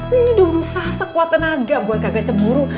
nih udah berusaha sekuat tenaga buat kagak cemburu